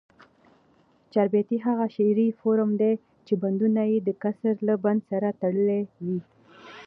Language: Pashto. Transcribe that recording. چاربیتې هغه شعري فورم دي، چي بندونه ئې دکسر له بند سره تړلي وي.